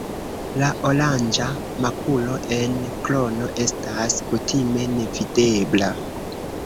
La oranĝa makulo en krono estas kutime nevidebla.